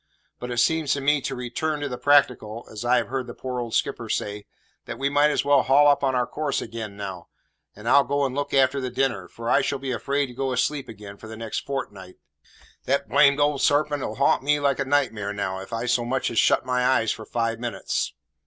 But it seems to me, `to return to the practical' as I've heard the poor old skipper say that we might as well haul up on our course ag'in now; and I'll go and look after the dinner; for I shall be afraid to go to sleep ag'in for the next fortnight; that blamed old sarpent 'll ha'nt me like a nightmare now, if I so much as shut my eyes for five minutes."